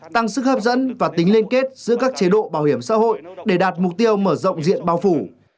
tăng sức hấp dẫn và tính liên kết giữa các chế độ bảo hiểm xã hội để đạt mục tiêu mở rộng diện bao phủ